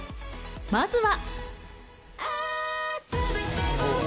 まずは。